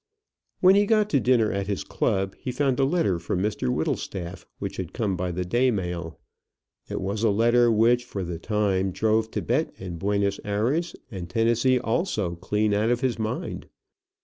When he got to dinner at his club, he found a letter from Mr Whittlestaff, which had come by the day mail. It was a letter which, for the time, drove Thibet and Buenos Ayres, and Tennessee also, clean out of his mind.